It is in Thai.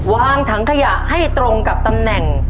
วางถังขยะให้ตรงกับตำแหน่ง